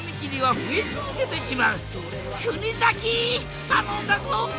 国崎頼んだぞ！